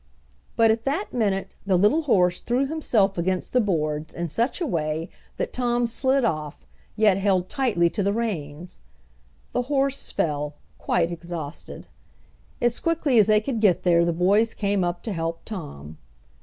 But at that minute the little horse threw himself against the boards in such a way that Tom slid off, yet held tightly to the reins. The horse fell, quite exhausted. As quickly as they could get there the boys came up to help Tom.